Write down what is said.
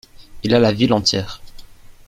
Il a la ville entière.